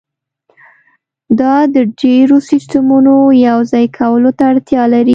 دا د ډیرو سیستمونو یوځای کولو ته اړتیا لري